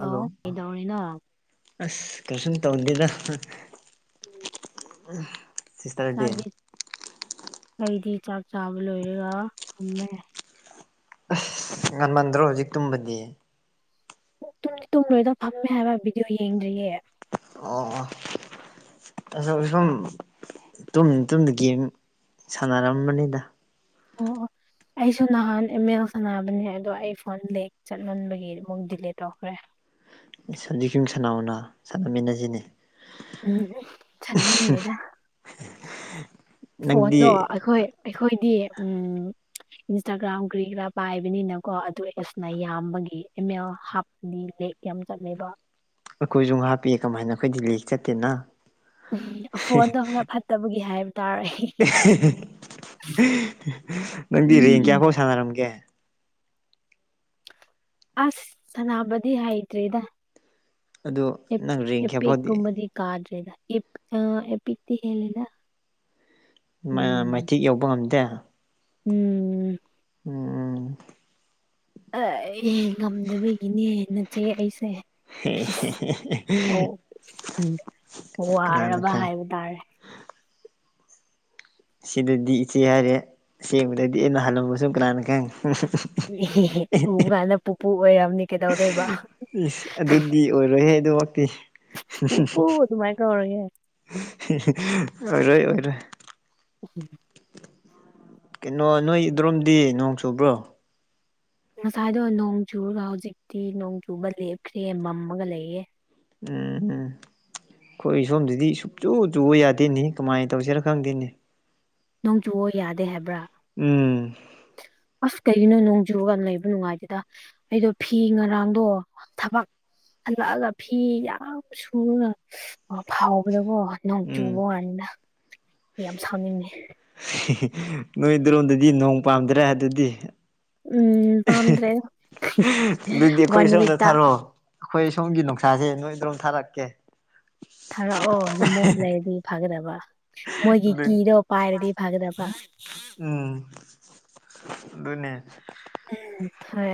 hello ꯑꯁ ꯀꯩꯁꯨꯝ ꯇꯧꯗꯦꯗ ꯎꯝ ꯎꯝ [inaudible] ꯆ ꯆꯥꯛꯒꯤ ꯑꯩꯩꯗꯤ ꯆꯥꯛ ꯆꯥꯕ ꯂꯣꯏꯔꯒ ꯊꯝꯃꯦ ꯉꯟꯃꯟꯗ꯭ꯔꯣ ꯍꯧꯖꯤꯛ ꯇꯨꯝꯕꯗꯤ ꯨꯝ ꯇꯨꯝꯂꯣꯏꯗ ꯐꯝꯃꯦ ꯍꯥꯏꯕ ꯚꯤꯗꯤꯑꯣ ꯌꯦꯡꯗ꯭ꯔꯤꯌꯦ ꯑꯣ ꯑꯁ ꯁꯨꯝ ꯇꯨꯝ ꯇꯨꯝꯗ ꯒꯦꯝ ꯁꯥꯟꯅꯔꯝꯕꯅꯤꯗ ꯑꯣ ꯑꯩꯁꯨ ꯅꯍꯥꯟ ꯑꯦꯝ ꯑꯦꯜ ꯁꯥꯟꯅꯔꯝꯕꯅꯦ ꯑꯗꯣ ꯑꯩ ꯐꯣꯟ ꯂꯦꯛ ꯆꯠꯍꯟꯕꯒꯤ ꯑꯃꯨꯛ ꯗꯤꯂꯦ ꯇꯧꯈ꯭ꯔꯦ ꯍꯧꯖꯤꯛ ꯌꯨꯝ ꯁꯥꯟꯅꯥꯎꯅ ꯁꯥꯟꯅꯃꯤꯟꯅꯁꯤꯅꯦ ꯎꯝ ꯁꯥꯟꯅꯅꯤꯡꯗꯦꯗ [unintelligible] ꯐꯣꯟꯗꯣ ꯑꯩꯈꯣꯏ ꯑꯩꯈꯣꯏꯗꯤ ꯎꯝ ꯏꯟꯁꯇꯥꯒ꯭ꯔꯥꯝ ꯀ꯭ꯔꯤꯒ꯭ꯔꯥ ꯄꯥꯏꯕꯅꯤꯅꯀꯣ ꯑꯗꯨ ꯑꯦꯁꯅ ꯌꯥꯝꯕꯒꯤ ꯑ ꯑꯦꯜ ꯗꯤ ꯂꯦꯛ ꯌꯥꯝ ꯆꯠꯂꯦꯕ ꯑꯩꯈꯣꯏꯁꯨ ꯍꯥꯞꯄꯤ ꯀꯃꯥꯏꯅ ꯑꯩꯈꯣꯏꯗꯤ ꯂꯤ ꯆꯠꯇꯦꯅ ꯎꯝ ꯐꯣꯟꯗꯣ ꯐꯠꯇꯕꯒꯤ ꯍꯥꯏꯕ ꯇꯥꯔꯦ ꯑꯩ ꯅꯪꯗꯤ ꯔꯦꯡ ꯎꯝ ꯀꯌꯥ ꯐꯥꯎ ꯁꯥꯟꯅꯔꯝꯒꯦ ꯑꯁ ꯁꯥꯟꯅꯕꯗꯤ ꯍꯩꯇ꯭ꯔꯤꯗ ꯑꯗꯨꯗ ꯅꯪ ꯔꯦꯡ ꯀꯌꯥꯐꯥꯎꯗꯤ ꯀꯥꯗ꯭ꯔꯦꯗ ꯑ ꯑꯦꯄꯤꯛꯇꯤ ꯍꯦꯂꯦꯗ ꯃꯩꯊꯦꯛ ꯌꯧꯕ ꯉꯝꯗꯦ ꯎꯝ ꯎꯝ ꯉꯝꯗꯕꯒꯤꯅꯦꯟꯅꯆꯦ ꯑꯩꯁꯦ ꯑꯣ ꯎꯝ ꯀꯅꯥꯅ ꯋꯥꯔꯕ ꯈꯪ ꯍꯥꯏꯕ ꯇꯥꯔꯦ ꯁꯤꯗꯗꯤ ꯏꯆꯦ ꯍꯥꯏꯔꯦ ꯁꯦꯡꯕꯗꯗꯤ ꯑꯩꯅ ꯍꯜꯂꯝꯕ ꯁꯨꯝ ꯀꯅꯥꯅ ꯈꯪꯉꯦ ꯎꯕ ꯀꯥꯟꯗ ꯄꯨꯄꯨ ꯑꯣꯏꯔꯅꯤ ꯀꯩꯗꯧꯗꯣꯏꯕ ꯏꯁ ꯑꯗꯨꯗꯤ ꯑꯣꯏꯔꯣꯏꯍꯦ ꯑꯗꯨꯃꯛꯇꯤ ꯄꯨꯄꯨ ꯑꯗꯨꯃꯥꯏ ꯀꯧꯔꯒꯦ ꯑꯣꯏꯔꯣꯏ ꯑꯣꯏꯔꯣꯏ ꯎ ꯀꯩꯅꯣ ꯅꯣꯏ ꯏꯗ꯭ꯔꯣꯝꯗꯤ ꯅꯣꯡ ꯆꯨꯕ꯭ꯔꯣ ꯉꯁꯥꯏꯗꯣ ꯅꯣꯡ ꯆꯨꯔꯒ ꯍꯧꯖꯤꯛꯇꯤ ꯅꯣꯡ ꯆꯨꯕ ꯂꯦꯞꯈ꯭ꯔꯦ ꯃꯝꯃꯒ ꯂꯩꯌꯦꯦ ꯎꯝ ꯑꯩꯈꯣꯏ ꯁꯣꯝꯗꯗꯤ ꯁꯨꯡꯆꯨ ꯆꯨꯕ ꯌꯥꯗꯦꯅꯤ ꯀꯃꯥꯏꯅ ꯇꯧꯁꯤꯔ ꯈꯪꯗꯦꯅꯤ ꯅꯣꯡ ꯆꯨꯑꯣ ꯌꯥꯗꯦ ꯍꯥꯏꯕ꯭ꯔꯥ ꯎꯝ ꯑꯁ ꯀꯩꯒꯤꯅꯣ ꯅꯣꯡꯖꯨꯒ ꯌꯥꯝ ꯂꯩꯕ ꯅꯨꯡꯉꯥꯏꯗꯨꯦꯗ ꯑꯩꯗꯣ ꯐꯤ ꯉꯔꯥꯡꯗꯣ ꯊꯕꯛ ꯍꯜꯂꯛꯑꯒ ꯐꯤ ꯌꯥꯝ ꯁꯨꯔꯒ ꯐꯥꯎꯕꯗꯀꯣ ꯅꯣꯡ ꯎꯝ ꯆꯨꯕ ꯋꯥꯅꯤꯅ ꯌꯥꯝ ꯁꯥꯎꯅꯤꯡꯅꯦ ꯅꯣꯏꯗꯔꯣꯝꯗꯗꯤ ꯅꯣꯡ ꯄꯥꯝꯗ꯭ꯔꯦ ꯑꯗꯨꯗꯤ ꯎꯝ ꯄꯥꯝꯗ꯭ꯔꯦ ꯑꯗꯨꯗꯤ ꯑꯩꯈꯣꯏ ꯋꯥꯟ ꯁꯣꯝꯗ ꯋꯤꯛꯇ ꯊꯥꯔꯛꯑꯣ ꯑꯩꯈꯣꯏ ꯁꯣꯝꯒꯤ ꯅꯨꯡꯁꯥꯁꯦ ꯅꯣꯏꯗꯣꯝ ꯊꯥꯔꯛꯀꯦ ꯊꯔꯛꯑꯣ ꯃꯛ ꯂꯩꯗꯤ ꯐꯥꯒꯗꯕ ꯃꯣꯏꯒꯤ ꯑꯗꯨ ꯀꯤꯗꯣ ꯄꯥꯏꯔꯗꯤ ꯐꯒꯗꯕ ꯎꯝ ꯑꯗꯨꯅꯦ ꯍꯥꯏ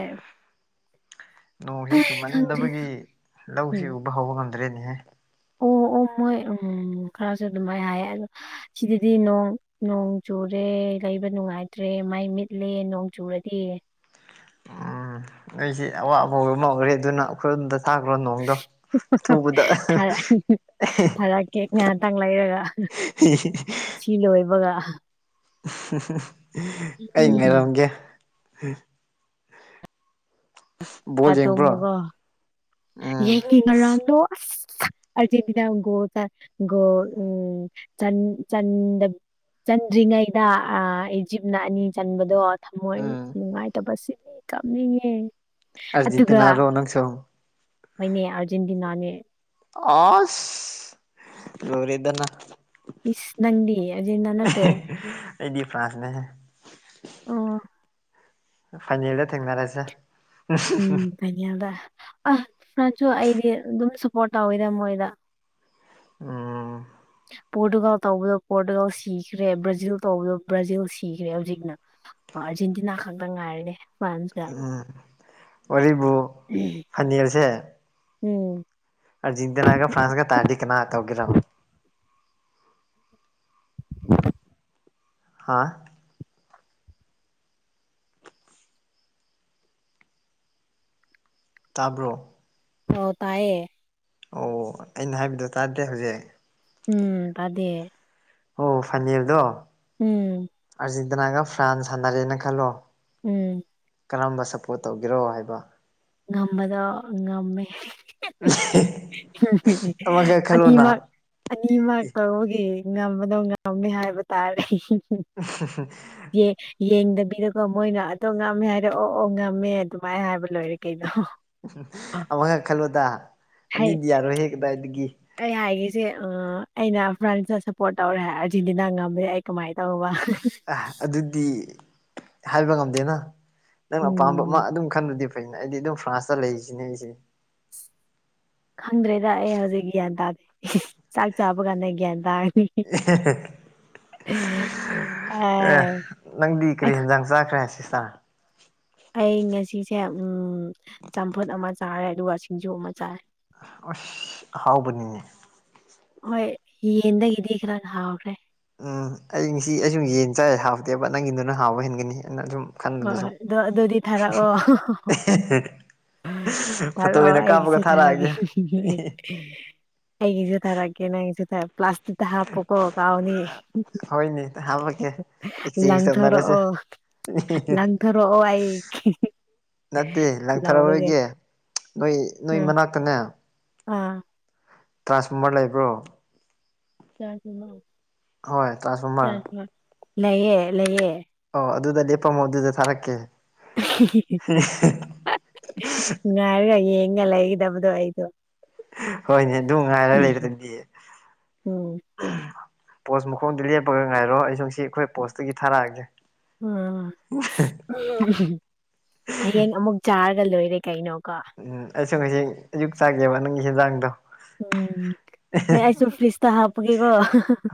ꯅꯣꯡꯁꯤ ꯈꯪꯗ꯭ꯔꯦ ꯆꯨꯝꯃꯟꯗꯕꯒꯤ ꯂꯧꯁꯤ ꯎꯝ ꯎꯕ ꯍꯧꯕ ꯉꯝꯗ꯭ꯔꯦꯅꯦꯍꯦ ꯑꯣ ꯑꯣ ꯃꯣꯏ ꯎꯝ ꯈꯔꯁꯨ ꯑꯗꯨꯃꯥꯏꯅ ꯍꯥꯏꯌꯦ ꯑꯗꯣ ꯁꯤꯗꯗꯤ ꯅꯣꯡ ꯅꯣꯡ ꯆꯨꯔꯦ ꯂꯩꯕ ꯅꯨꯡꯉꯥꯏꯇ꯭ꯔꯦ ꯃꯥꯏ ꯃꯤꯠꯂꯦ ꯅꯣꯡ ꯆꯨꯔꯗꯤ ꯎꯝ ꯑꯩꯁꯤ ꯑꯋꯥꯕꯕ ꯃꯈ꯭ꯔꯦ ꯑꯗꯨꯅ ꯑꯩꯈꯣꯏ ꯑꯣꯝꯗ ꯊꯥꯈ꯭ꯔꯣ ꯅꯣꯡꯗꯣ ꯑꯊꯨꯕꯗ ꯐꯔꯛꯦ ꯐꯔꯛꯀꯦ ꯉꯥꯏꯍꯥꯛꯇꯪ ꯂꯩꯔꯒ ꯎ ꯁꯤꯤꯂꯣ ꯏꯕꯒ ꯑꯩ ꯎꯝ ꯉꯥꯏꯔꯝꯒꯦ ꯕꯣꯜ ꯌꯦꯡꯕ꯭ꯔꯣ ꯄꯇꯣꯃꯒꯣ ꯎꯝ ꯌꯦꯅ ꯔꯣ ꯑ ꯑꯔꯖꯦꯟꯇꯤꯅꯥꯣ ꯆꯣ ꯎꯝ ꯆꯟꯗ꯭ꯔꯤꯉꯩꯗ ꯏꯖꯤꯞꯅ ꯑꯅꯤ ꯆꯟꯕꯗꯣ ꯊꯝꯃꯣꯏ ꯎꯝ ꯅꯨꯡꯉꯥꯏꯇ ꯁꯤꯅꯤ ꯀꯥꯞꯅꯤꯡꯉꯤ ꯑꯖꯤꯇꯅꯔꯣ ꯅꯪꯁꯤꯡꯪ ꯃꯣꯏꯅꯦ ꯑꯔꯖꯦꯟꯇꯤꯅꯥꯅꯦ ꯑ ꯂꯔꯤꯗꯅ ꯏꯁ ꯅꯪꯗꯤ ꯑꯥꯔꯖꯦꯟꯇꯤꯅꯥ ꯅꯠꯇꯦ ꯑꯦꯗꯤ ꯐ꯭ꯔꯥꯟꯁꯅꯦꯍꯦ ꯑꯣ ꯐꯥꯏꯅꯦꯜꯗ ꯊꯦꯡꯅꯔꯁꯦ ꯎꯝ ꯟꯌꯥꯗ ꯑ ꯅꯁꯨ ꯑꯩꯗꯤ ꯑꯗꯨꯝ ꯁꯄꯣꯔꯠ ꯇꯎꯣꯏꯗ ꯃꯣꯏꯗ ꯎꯝ ꯄꯣꯔꯇꯨꯒꯥꯜ ꯇꯧꯕꯤꯌꯣ ꯄꯣꯔꯇꯨꯒꯥꯜ ꯁꯤꯈ꯭ꯔꯦ ꯕ꯭ꯔꯥꯖꯤꯜ ꯇꯧꯕꯤꯌꯣ ꯕ꯭ꯔꯥꯖꯤꯜ ꯁꯤꯈ꯭ꯔꯦ ꯍꯧꯖꯤꯛꯅ ꯑꯥꯔꯖꯦꯟꯇꯤꯅꯥ ꯈꯛꯇ ꯉꯥꯏꯔꯅꯦ ꯎꯝ ꯑꯣꯏꯔꯤꯕꯔꯤꯕꯨ ꯐꯅꯁꯦ ꯎꯝ ꯑꯖꯤꯤꯟꯗꯅꯅꯥꯒ ꯐ꯭ꯔꯥꯟꯁꯒ ꯇꯥꯥꯟ ꯀꯅꯥ ꯇꯧꯒꯔ ꯍꯥ ꯇꯥꯕ꯭ꯔꯣ ꯑꯣ ꯇꯥꯏꯌꯦ ꯑꯣ ꯑꯩꯅ ꯍꯥꯏꯕꯗ ꯇꯥꯗꯦ ꯍꯧꯖꯤꯛ ꯎꯝ ꯑꯗꯨꯗ ꯑꯣ ꯐꯅꯤꯔꯗꯣ ꯎꯝ ꯑꯥꯔꯖꯦꯟꯇꯤꯅꯥꯒ ꯐ꯭ꯔꯥꯟꯁ ꯁꯥꯟꯅꯔꯦꯅ ꯈꯜꯂꯣ ꯎꯝ ꯀꯔꯝꯕ ꯁꯞꯄꯣꯔꯠ ꯇꯧꯒꯦꯔꯣ ꯍꯥꯏꯕ ꯉꯝꯕꯗ ꯉꯝꯃꯦ ꯑꯃꯈꯛ ꯑ ꯈꯜꯂꯣꯅ ꯃꯥ ꯑꯅꯤꯃꯛ ꯀꯒꯤ ꯉꯝꯕꯗꯣ ꯉꯝꯃꯦ ꯍꯥꯏꯕ ꯇꯥꯔꯦ ꯎ ꯌꯦꯡꯗꯕꯤꯗꯀꯣ ꯃꯣꯏꯅ ꯑꯗꯣ ꯉꯝꯃꯦ ꯍꯥꯏꯔꯦ ꯑꯣ ꯑꯣ ꯉꯝꯃꯦ ꯑꯗꯨꯃꯥꯏꯅ ꯍꯥꯏꯕ ꯂꯣꯏꯔꯦꯒꯦ ꯀꯩꯗ ꯎ ꯑꯃꯈꯛ ꯈꯜꯂꯣꯗ ꯍꯥꯏ ꯑꯅꯤꯗꯤ ꯌꯥꯔꯣꯏꯍꯦ ꯀꯗꯥꯏꯗꯒꯤ ꯑꯩ ꯍꯥꯏꯒꯁꯦ ꯑꯩꯅ ꯐ꯭ꯔꯥꯟꯁꯇ ꯁꯞꯄꯣꯔꯠ ꯇꯧꯔꯦ ꯑꯥꯔꯖꯦꯟꯇꯤꯅꯥ ꯉꯝꯃꯦꯦ ꯑꯩ ꯀꯃꯥꯏꯅ ꯇꯧꯕꯧꯕ ꯑ ꯑꯗꯨꯗꯤ ꯍꯥꯏꯕ ꯉꯝꯗꯦꯅ ꯅꯪꯅ ꯑꯄꯥꯝꯕ ꯑꯃ ꯎꯝ ꯑꯗꯨꯝ ꯈꯟꯕꯗꯤ ꯩꯅ ꯑꯩꯗꯤ ꯑꯗꯨꯝ ꯐ꯭ꯔꯥꯟꯁꯇ ꯂꯩꯔꯤꯁꯤꯅꯦ ꯑꯩꯁꯦ ꯈꯪꯗ꯭ꯔꯦꯗ ꯑꯩ ꯍꯧꯖꯤꯛ ꯒ꯭ꯌꯥꯟ ꯇꯥꯗꯦ ꯆꯥꯛ ꯆꯥꯕ ꯀꯥꯟꯗ ꯒ꯭ꯌꯥꯟ ꯇꯥꯔꯅꯤ [unintelligible] ꯑ, ꯑꯦ ꯅꯪꯗꯤ ꯀꯔꯤ ꯑꯩꯈ- ꯌꯦꯟꯖꯥꯡ ꯆꯥꯈ꯭ꯔꯦ ꯁꯤꯁꯇꯔ ꯑꯩ ꯉꯁꯤꯁꯦ ꯎ ꯆꯝꯐꯨꯠ ꯑꯃ ꯆꯥꯔꯦ ꯑꯗꯨꯒ ꯁꯤꯡꯖꯨ ꯑꯃ ꯆꯥꯔꯦ ꯑꯁ ꯑꯍꯥꯎꯕꯅꯤꯅꯦ ꯍꯣꯏ ꯌꯦꯟꯗꯒꯤꯗꯤ ꯈꯔ ꯍꯥꯎꯈ꯭ꯔꯦ ꯎꯝ ꯑꯩ ꯉꯁꯤ ꯑꯩ ꯁꯨꯝ ꯌꯦꯟ ꯆꯥꯏ ꯍꯥꯥꯎꯗꯦꯕ ꯅꯪꯒꯤꯗꯨꯅ ꯍꯥꯥꯎꯕ ꯍꯦꯟꯒꯅꯤ ꯑꯩꯅ ꯁꯨꯝ ꯍꯣꯏ ꯈꯟꯕꯗ ꯍꯣꯏ ꯑꯗ ꯑꯗꯨꯗꯤ ꯊꯥꯔꯛꯑꯣ ꯇ ꯐꯣꯇꯣ ꯑꯣꯏꯅ ꯑꯩꯒꯤꯁꯦ ꯀꯥꯞꯄꯒ ꯊꯔꯒꯦ ꯊꯥꯔꯛꯑꯒꯦ ꯑꯩꯒꯤꯖ ꯇꯔ ꯔꯛꯒꯦ ꯅꯪꯖ ꯇꯔ ꯄ꯭ꯂꯥꯁꯇꯤꯛꯗ ꯍꯥꯄꯀꯣ ꯀꯥꯎꯅꯤ ꯍꯣꯏꯅꯦ ꯍꯥꯞꯄꯛꯀꯦ ꯑꯦꯛꯆꯦꯟꯖ ꯇꯧꯅꯔꯁꯦ ꯂꯪꯊꯔꯛꯑꯣ ꯂꯪꯊꯔꯛꯑꯣ ꯑꯩ ꯅꯠꯇꯦ ꯂꯧꯔꯒꯦ ꯂꯪꯊꯔꯛꯔꯒ ꯅꯣꯏ ꯅꯣꯏ ꯎꯝ ꯃꯅꯥꯛꯇꯅꯦ ꯑꯥ ꯇ꯭ꯔꯥꯟꯁꯐꯣꯔꯃꯔ ꯂꯩꯕ꯭ꯔꯣ ꯍꯣꯏ ꯇ꯭ꯔꯥꯟꯁꯐꯣꯔꯃꯔ ꯆꯁꯨꯃꯃ ꯂꯩꯌꯦ ꯂꯩꯌꯦ ꯑꯣ ꯑꯗꯨꯗ ꯂꯦꯞꯄꯝꯃꯣ ꯑꯗꯨꯗ ꯊꯥꯔꯛꯀꯦ ꯉꯥꯏꯔꯒ ꯌꯦꯡꯒ ꯂꯩꯒꯗꯕꯗꯣ ꯑꯩꯗꯣ ꯍꯣꯏꯅꯦ ꯑꯗꯨꯅꯨꯡ ꯉꯔꯒ ꯎꯝ ꯂꯩꯗꯤꯌꯦ ꯎꯝ ꯄꯣꯁ ꯃꯈꯣꯡꯗꯨ ꯂꯦꯞꯄꯒ ꯉꯥꯏꯔꯣ ꯑꯩꯁꯨꯁꯤ ꯑꯩꯈꯣꯏ ꯄꯣꯁꯇꯨꯒꯤ ꯊꯥꯔꯛꯑꯒꯦ ꯎꯝ ꯍꯌꯦꯡ ꯑꯃꯨꯛ ꯆꯥꯔꯒ ꯂꯣꯏꯔꯦ ꯀꯩꯅꯣꯀꯣ ꯎꯝ ꯑꯩꯁꯨ ꯉꯁꯤ ꯑꯌꯨꯛ ꯆꯥꯒꯦꯕ ꯅꯪꯒꯤ ꯍꯦꯟꯖꯥꯡꯗꯣ ꯎꯝ ꯍꯣꯏ ꯑꯩꯁꯨ ꯐ꯭ꯔꯤꯖꯇ ꯍꯥꯞꯄꯒꯦꯀꯣ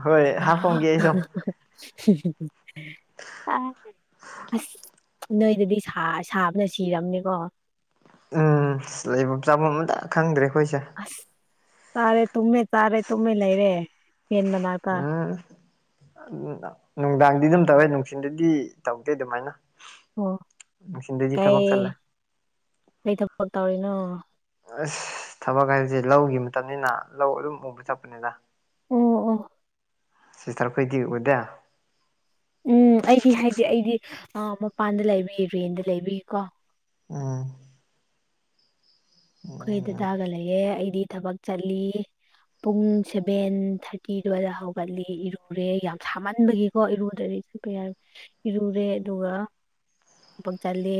ꯍꯣꯏ ꯍꯥꯞꯄꯝꯒꯦ ꯑꯩꯁꯨ [inaudible] ꯑ ꯑꯁ ꯅꯣꯏꯗꯗꯤ ꯁꯥꯕꯅ ꯁꯤꯔꯝꯅꯤꯀꯣ ꯎꯝ ꯂꯩꯐꯝ ꯆꯥꯐꯝ ꯑꯝꯇ ꯈꯪꯗ꯭ꯔꯦ ꯑꯩꯈꯣꯏꯁꯦ ꯑꯁ ꯇꯥꯔꯦ ꯇꯨꯝꯃꯦ ꯇꯥꯔꯦ ꯇꯨꯝꯃꯦ ꯂꯩꯔꯦ ꯌꯦꯟ ꯃꯅꯥ ꯎꯝ ꯅꯨꯡꯗꯥꯡꯗꯤ ꯑꯗꯨꯝ ꯇꯧꯋꯦ ꯅꯨꯡꯊꯤꯟꯗꯗꯤ ꯇꯧꯗꯦ ꯑꯗꯨꯃꯥꯏꯅ ꯑꯣ ꯅꯨꯡꯊꯤꯟꯗꯗꯤ ꯊꯕꯛ ꯀꯩ ꯆꯠꯂꯦ ꯀꯩ ꯊꯕꯛ ꯇꯧꯔꯤꯅꯣ ꯑꯁ ꯊꯕꯛ ꯍꯥꯏꯕꯁꯦ ꯂꯧꯒꯤ ꯃꯇꯝꯅꯤꯅ ꯂꯧ ꯑꯗꯨꯝ ꯎꯕ ꯊꯛꯄꯅꯤꯗ ꯑꯣ ꯑꯣ ꯁꯤꯁꯇꯔꯈꯣꯏꯗꯤ ꯎꯗꯦ ꯎꯝ ꯑꯩꯗꯤ ꯍꯥꯏꯗꯤ ꯑꯩꯗꯤ ꯃꯄꯥꯟꯗ ꯂꯩꯕꯤ ꯔꯦꯟꯗ ꯂꯩꯕꯤꯀꯣ ꯎꯝ ꯑꯩꯈꯣꯏ ꯎꯝ ꯗꯗꯥꯒ ꯂꯩꯌꯦꯦ ꯑꯩꯗꯤ ꯊꯕꯛ ꯆꯠꯂꯤ ꯄꯨꯡ ꯁꯦꯚꯦꯟ ꯊꯥꯔꯇꯤꯗꯨꯋꯥꯗ ꯍꯧꯒꯠꯂꯤ ꯏꯔꯨꯔꯦ ꯌꯥꯝ ꯁꯥꯃꯟꯕꯒꯤꯀꯣ ꯏꯔꯨꯗ꯭ꯔꯗꯤ ꯏꯔꯨꯔꯦ ꯑꯗꯨꯒ ꯊꯕꯛ ꯆꯂꯦ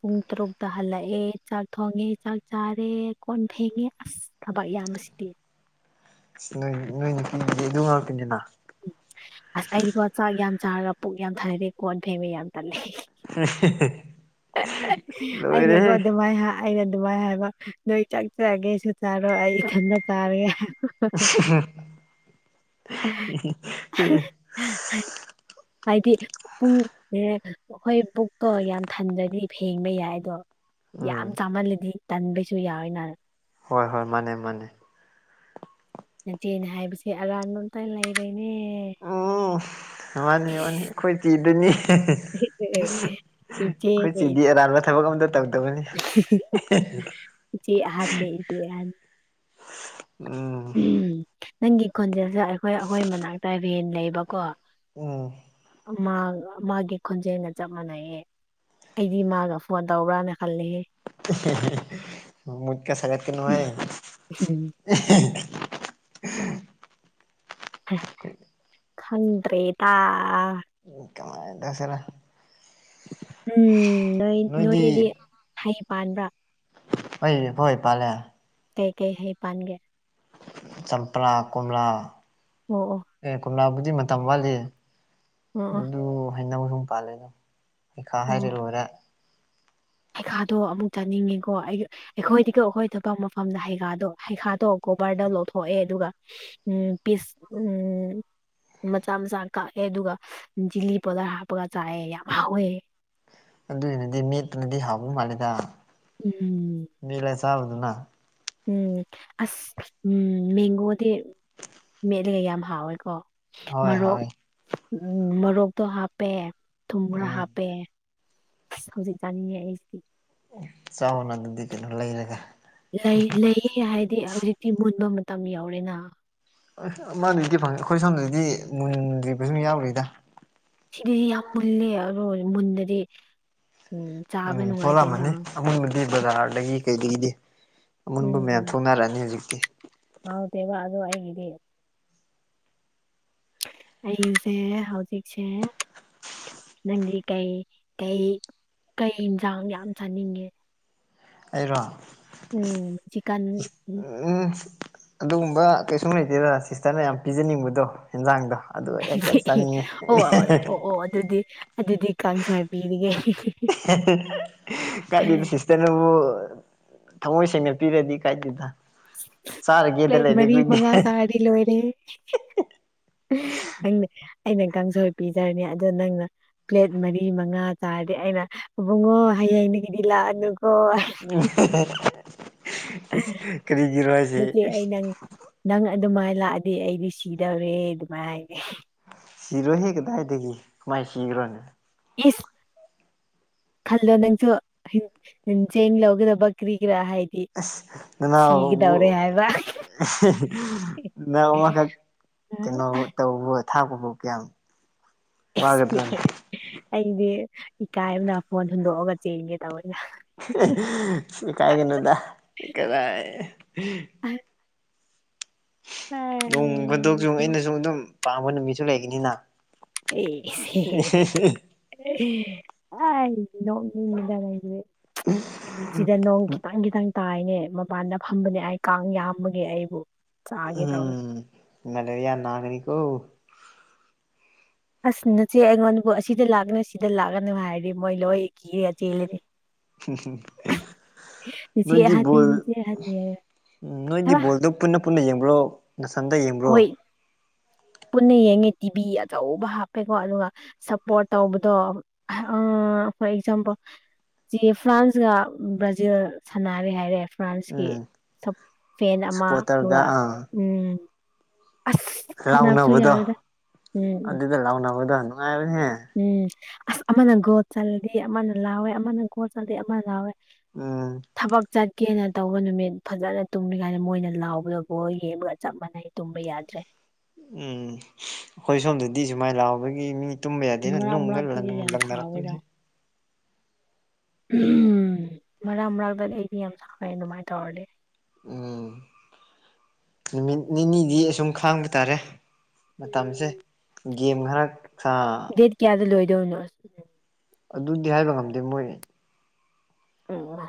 ꯄꯨꯡ ꯇꯔꯨꯛꯇ ꯍꯜꯂꯛꯑꯦ ꯆꯥꯛ ꯊꯣꯡꯉꯦ ꯆꯥꯛ ꯆꯥꯔꯦ ꯀꯣꯟ ꯊꯦꯡꯉꯦ ꯑꯁ ꯊꯕꯛ ꯌꯥꯝ ꯁꯤꯗꯤ ꯅꯣꯏ ꯅꯣꯏ ꯅꯨꯄꯤꯒꯤꯗꯤ ꯑꯗꯨ ꯉꯥꯎꯔꯛꯇꯅꯤꯅ ꯎ ꯑꯁ ꯑꯩꯗꯤꯀꯣ ꯆꯥꯛ ꯌꯥꯝ ꯆꯥꯔꯒ ꯄꯨꯛ ꯌꯥꯝ ꯊꯥꯅꯔꯦ ꯀꯣꯟꯊꯩꯕ ꯌꯥꯝ ꯇꯜꯅꯩꯦ [unintelligible] [unintelligible] ꯑꯩꯅꯒꯣ ꯂꯣꯏꯔꯦꯍꯦ ꯑꯗꯨꯃꯥꯏꯅ ꯑꯩꯅ ꯑꯗꯨꯃꯥꯏꯅ ꯍꯥꯏꯕ ꯅꯣꯏ ꯆꯠꯆꯔꯒꯦꯁꯨ ꯆꯥꯔꯣꯏ ꯑꯩ ꯏꯊꯟꯗ ꯆꯔꯦ [unintelligible] ꯍꯥꯏꯗꯤ ꯄꯨꯡꯁꯦ ꯑꯩꯈꯣꯏ ꯄꯨꯛꯇꯣ ꯌꯥꯝ ꯊꯟꯗꯗꯤ ꯐꯦꯡꯕ ꯌꯥꯏꯗꯣ ꯌꯥꯝ ꯎꯝ ꯆꯥꯝꯃꯜꯂꯗꯤ ꯇꯟꯕꯩꯁꯨ ꯌꯥꯎꯋꯣꯏ ꯅꯅ ꯍꯣꯏ ꯍꯣꯏ ꯃꯥꯅꯦ ꯃꯥꯅꯦ ꯅꯆꯦꯅ ꯍꯥꯏꯕꯁꯦ ꯑꯔꯥꯟꯕ ꯑꯝꯇ ꯂꯩꯔꯦꯅꯦ ꯎꯝ ꯃꯥꯅꯤ ꯋꯥꯅꯤ ꯑꯩꯈꯣꯏ ꯆꯤꯗꯣꯏꯅꯤ ꯏꯆꯦꯅꯦ ꯑꯩꯠꯁꯤꯗꯤ ꯑꯔꯥꯟꯕ ꯊꯕꯛ ꯑꯝꯇ ꯇꯧꯗꯕꯅꯤ ꯆꯦꯍꯥꯟ ꯅ ꯆ ꯍꯥꯏꯍꯥꯟ ꯎꯝ ꯎꯝ ꯅꯪꯒꯤ ꯈꯣꯟꯖꯦꯜꯁꯦ ꯑꯩꯈꯣꯏ ꯑꯩꯈꯣꯏ ꯃꯅꯥꯛꯇ ꯚꯦꯟ ꯂꯩꯕꯀꯣ ꯎꯝ ꯃꯥ ꯃꯥꯒꯤ ꯈꯣꯟꯖꯦꯜꯒ ꯆꯞ ꯃꯥꯟꯅꯩꯑ ꯑꯩꯗꯤ ꯃꯥꯒ ꯐꯣꯟ ꯇꯧꯕ꯭ꯔꯥꯅꯦ ꯈꯜꯦ ꯃꯣꯠꯀ ꯁꯒꯠ ꯀ ꯅꯉꯥꯏ ꯈꯗ꯭ꯔꯦ ꯗꯥ [unintelligible] ꯎꯝ ꯅꯣꯏ ꯅꯣꯏꯗꯗꯤ ꯅꯣꯏꯗꯤ ꯍꯩ ꯄꯥꯟꯕ꯭ꯔꯥ ꯍꯣꯏꯅꯦ ꯍꯣꯏ ꯄꯂꯦ ꯀꯩ ꯀꯩ ꯍꯩ ꯄꯥꯟꯒꯦ ꯆꯝꯄ꯭ꯔꯥ ꯀꯣꯃꯥ ꯑꯣ ꯑꯣ ꯑꯦ ꯀꯣꯝꯂꯥꯕꯨꯗꯤ ꯃꯇꯝ ꯋꯥꯠꯂꯤ ꯑꯣ ꯑꯣ ꯑꯗꯨ ꯍꯥꯏꯅꯕ ꯁꯨꯝ ꯄꯥꯜꯂꯦꯗꯝ ꯀꯩꯀꯥ ꯍꯥꯏꯔ ꯂꯣꯏꯔ ꯄꯩꯈꯥꯗꯣ ꯑꯃꯨꯛ ꯆꯥꯅꯤꯡꯉꯦꯀꯣ ꯑꯩ ꯑꯩꯈꯣꯏꯗꯤꯒ ꯑꯩꯈꯣꯏ ꯊꯕꯛ ꯃꯐꯝꯗ ꯍꯩꯒꯥꯥꯗꯣ ꯍꯩꯈꯥꯗꯣ ꯀꯣꯕꯔꯗ ꯂꯧꯊꯣꯛꯑꯦ ꯑꯗꯨꯒ ꯎꯝ ꯄꯤꯁ ꯎꯝ ꯃꯆꯥ ꯃꯆꯥ ꯀꯛꯑꯦ ꯑꯗꯨꯒ ꯆꯤꯂꯤ ꯄꯥꯎꯗꯔ ꯍꯥꯞꯄꯒ ꯆꯥꯏꯑꯦ ꯌꯥꯝ ꯍꯥꯎꯋꯦ ꯑꯗꯨꯏꯅꯗꯤ ꯃꯦꯠꯇꯨꯅꯗꯤ ꯍꯥꯎꯕ ꯃꯥꯜꯂꯦꯗ ꯎꯝ ꯅꯂꯦꯁꯥꯎꯗꯨꯅ ꯎꯝ ꯑꯁ ꯎꯝ ꯃꯦꯡꯒꯣꯗꯤ ꯀꯂꯤꯒꯩ ꯌꯥꯝ ꯍꯥꯎꯋꯦꯀꯣ ꯍꯣꯏ ꯃꯔꯣꯔꯣꯛ ꯍꯥꯎꯋꯤ ꯎꯝ ꯃꯔꯣꯔꯣꯛꯇꯣ ꯍꯥꯞꯄꯦ ꯊꯨꯝ ꯈꯔ ꯎꯝ ꯍꯥꯞꯄꯦ ꯍꯧꯖꯤꯛ ꯆꯥꯅꯤꯡꯉꯦ ꯑꯩꯁꯤꯗꯤ ꯆꯥꯎꯅ ꯑꯗꯨꯗꯤ ꯀꯩꯅꯣ ꯂꯩꯔꯒ ꯂꯩ ꯂꯩꯌꯦ ꯍꯥꯏꯗꯤ ꯍꯧꯖꯤꯛꯇꯤ ꯃꯨꯟꯕ ꯃꯇꯝ ꯌꯥꯎꯔꯦꯅ ꯑ ꯃꯥꯗꯨꯗꯤ ꯐꯪꯉꯦ ꯑꯩꯈꯣꯏ ꯁꯣꯝꯗꯗꯤ ꯃꯨꯟꯗ꯭ꯔꯤꯕꯁꯨ ꯌꯥꯎꯔꯤꯗ ꯁꯤꯗꯥꯗꯤ ꯌꯥꯝ ꯃꯨꯜꯂꯤ ꯎꯝ ꯐꯣꯂꯥ ꯃꯅꯤ ꯑꯃꯨꯟꯕꯗꯤ ꯕꯖꯥꯔꯗꯒꯤ ꯀꯩꯗꯒꯤꯗꯤ ꯑꯃꯨꯟꯕ ꯃꯌꯥꯝ ꯊꯣꯛꯅꯔꯛꯑꯅꯤ ꯍꯧꯖꯤꯛꯇꯤ ꯍꯥꯎꯗꯦꯕ ꯑꯗꯨꯗꯣ ꯑꯩꯒꯤꯗꯤ ꯑꯩꯁꯦ ꯍꯧꯖꯤꯛꯁꯦ ꯅꯪꯗꯤ ꯀꯩ ꯀꯩ ꯀꯩ ꯌꯦꯟꯁꯥꯡ ꯌꯥꯝ ꯆꯥꯅꯤꯡꯉꯦ ꯑꯩꯔꯣ ꯎꯝ ꯆꯀꯟ ꯎꯝ ꯑꯗꯨꯒꯨꯝꯕ ꯀꯩꯁꯨꯝ ꯂꯩꯇꯦꯗꯥ ꯁꯤꯁꯇꯔꯅ ꯌꯥꯝ ꯄꯤꯖꯅꯤꯡꯕꯗꯣ ꯌꯦꯟꯖꯥꯡꯗꯣ ꯑꯗꯨ ꯑꯩ ꯍꯦꯛꯇ ꯑꯦ ꯆꯥꯅꯤꯡꯉꯦ ꯑꯣ ꯑꯣ ꯑꯣ ꯑꯗꯨꯗꯤ ꯑꯗꯨꯗꯤ ꯀꯥꯡꯁꯥꯏꯕ ꯄꯤꯔꯥꯅꯤ ꯀꯥꯏꯗꯩꯅꫭ ꯁꯤꯁ ꯇꯅꯕꯨ ꯊꯃꯣꯏ ꯁꯦꯡꯅ ꯄꯤꯔꯗꯤ ꯀꯥꯏꯗꯦꯗ ꯆꯔꯒꯦꯗ ꯄ꯭ꯂꯦꯠ ꯂꯩꯔꯤ ꯃꯔꯤ ꯑꯒꯣꯏꯗꯤ [unintelligible] ꯅꯪ ꯑꯩꯅ ꯀꯥꯡꯁꯣꯏ ꯄꯤꯖꯔꯅꯤ ꯑꯗꯣ ꯅꯪꯅ ꯄ꯭ꯂꯦꯠ ꯃꯔꯤ ꯃꯉꯥ ꯆꯥꯔꯗꯤ ꯑꯩꯅ ꯏꯕꯨꯡꯉꯣ ꯍꯌꯦꯡꯗꯒꯤꯗꯤ ꯂꯥꯛꯑꯅꯨꯀꯣ ꯀꯔꯤꯒꯤꯅꯣ ꯍꯥꯏꯁꯦ ꯅꯆꯦ ꯑꯩ ꯅꯪ ꯅꯪ ꯑꯗꯨꯃꯥꯏꯅ ꯂꯥꯛꯑꯗꯤ ꯑꯩꯗꯤ ꯁꯤꯗꯧꯔꯦ ꯑꯗꯨꯃꯥꯏ ꯁꯤꯔꯣꯏꯍꯦ ꯀꯗꯥꯏꯗꯒꯤ ꯀꯃꯥꯏꯅ ꯁꯤꯈ꯭ꯔꯣꯅꯦ ꯏꯁ ꯈꯜꯂꯣ ꯅꯪꯁꯨ ꯆꯦꯡ ꯂꯧꯒꯗꯕ ꯀ꯭ꯔꯤ ꯀꯔꯥ ꯍꯥꯏꯗꯤ ꯏꯁ ꯅꯅꯥꯎꯕꯨ ꯁꯤꯒꯗꯧꯔꯦ ꯍꯥꯏꯕ ꯀꯩꯅꯣ ꯇꯧꯕꯧꯕ ꯊꯥꯄꯕꯨ ꯀꯌꯥꯝ ꯋꯥꯒꯗ꯭ꯔꯣꯅꯦ ꯑꯩꯗꯤ ꯏꯀꯥꯏ ꯑꯃꯅ ꯐꯣꯟ ꯍꯨꯟꯗꯣꯛꯑꯒ ꯆꯦꯟꯒꯦ ꯇꯧꯕꯅ ꯏꯀꯥꯏꯒꯥꯅꯨꯗ ꯀꯗꯥ [unintelligible] ꯅꯣꯡ ꯐꯥꯗꯣꯛꯁꯨ ꯅꯣꯛꯑꯦ ꯑꯩꯅ ꯁꯨꯝ ꯑꯗꯨꯝ ꯄꯥꯝꯕ ꯅꯨꯃꯤꯠꯁꯨ ꯂꯩꯒꯅꯤꯅ [unintelligible] ꯅꯗꯦ ꯁꯤꯗ ꯅꯣꯡ ꯈꯤꯇꯪ ꯈꯤꯇꯪ ꯇꯥꯏꯅꯦ ꯃꯄꯥꯟꯗ ꯐꯝꯕꯅꯦ ꯑꯩ ꯀꯥꯡ ꯌꯥꯝꯕꯒꯦ ꯑꯩꯕꯨ ꯆꯥꯒꯦ ꯇꯧꯋꯦ ꯃꯦꯂꯦꯔꯤꯌꯥ ꯅꯥꯒꯅꯤ ꯀꯧ ꯑꯁ ꯅꯆꯦ ꯑꯩꯉꯣꯟꯗꯕꯨ ꯑꯁꯤꯗ ꯂꯥꯛꯀꯅꯨ ꯁꯤꯗ ꯂꯥꯛꯀꯅꯨ ꯍꯥꯏꯔꯗꯤ ꯃꯣꯏ ꯂꯣꯏ ꯀꯤꯔꯦꯒ ꯆꯦꯜꯂꯅꯤ ꯅꯆꯦ ꯅꯣꯏꯗꯤ ꯑꯍꯟꯅꯦ ꯕꯣꯜ ꯅꯆꯦ ꯑꯍꯟꯅꯦ ꯍꯥꯏꯔꯒ ꯎꯝ ꯅꯣꯏꯗꯤ ꯊꯕ ꯕꯣꯜꯗꯨ ꯄꯨꯟꯅ ꯄꯨꯟꯅ ꯌꯦꯡꯕ꯭ꯔꯣ ꯅꯊꯟꯗ ꯌꯦꯡꯕ꯭ꯔꯣ ꯍꯣꯏ ꯄꯨꯟꯅ ꯌꯦꯡꯉꯦ ꯇꯤꯚꯤ ꯑꯆꯧꯕ ꯍꯥꯞꯄꯦꯀꯣ ꯑꯗꯨꯒ ꯁꯞꯄꯣꯔꯠ ꯇꯧꯕꯗꯣ ꯐꯣꯔ ꯑꯦꯛꯖꯥꯝꯄꯜ ꯁꯤ ꯐ꯭ꯔꯥꯟꯁꯀꯥ ꯕ꯭ꯔꯥꯖꯤꯜ ꯁꯥꯟꯅꯔꯦ ꯍꯥꯏꯔꯦ ꯐ꯭ꯔꯥꯟꯁꯀꯤ ꯎꯝ ꯐꯦꯟ ꯑꯃ ꯁꯄꯣꯔꯇꯔꯒ ꯑꯗꯨꯒ ꯑꯥ ꯎꯝ ꯑꯁ ꯈꯠꯅꯕꯁꯨ ꯌꯥꯎꯋꯣꯏꯗꯥ ꯎꯝ ꯎꯝ ꯂꯥꯎꯅꯕꯥꯗꯣ ꯅꯨꯡꯉꯥꯏꯕꯅꯦꯍꯦ ꯎꯝ ꯑꯁ ꯑꯃꯅ ꯒꯣꯠ ꯆ ꯑꯃꯅ ꯂꯥꯎꯋꯦ ꯑꯃꯅ ꯒꯣꯠ ꯆ ꯑꯃ ꯂꯥꯎꯋꯦ ꯎꯝ ꯊꯕꯛ ꯆꯠꯀꯦꯅ ꯇꯧꯕ ꯅꯨꯃꯤꯠ ꯐꯖꯅ ꯇꯨꯝꯃꯤ ꯀꯥꯏꯅ ꯃꯣꯏꯅ ꯂꯥꯎꯕꯗꯐ ꯌꯦꯡꯃꯒ ꯆꯞ ꯃꯥꯟꯅꯩ ꯇꯨꯝꯕ ꯌꯥꯗ꯭ꯔꯦ ꯎꯝ ꯑꯩꯈꯣꯏ ꯁꯣꯝꯗꯗꯤ ꯁꯨꯃꯥꯏꯅ ꯂꯥꯛꯕꯒꯤ ꯃꯤ ꯇꯨꯝ ꯌꯥ ꯑꯗꯨꯅ ꯃꯔꯛ ꯅ ꯃꯔꯛꯇꯗꯤ ꯌꯥꯝ ꯁꯥꯎꯋꯦꯗ ꯂꯅꯔꯅꯦ ꯎꯝ ꯃꯔꯛ ꯃꯔꯛꯇ ꯑꯩꯗꯤ ꯌꯥꯝ ꯁꯥꯎꯉꯦ ꯑꯗꯨꯃꯥꯏꯅ ꯇꯧꯔꯗꯤ ꯎꯝ ꯅꯨꯃꯤꯠ ꯅꯤꯅꯤꯗꯤ ꯑꯁꯨꯝ ꯈꯥꯡꯕ ꯇꯥꯔꯦ ꯃꯇꯝꯁꯦ ꯎꯝ ꯒꯦꯝ ꯈꯔ ꯁꯥ ꯇꯦꯠ ꯀꯌꯥꯗ ꯂꯣꯏꯗꯣꯏꯅꯣ ꯑꯗꯨꯗꯤ ꯍꯥꯏꯕ ꯉꯝꯗꯦ ꯃꯣꯏꯅꯦ ꯎꯝ